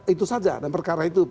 itu saja dan perkara itu